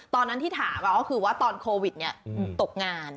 ตอนนั้นที่ถามก็คือว่าตอนโควิดตกงาน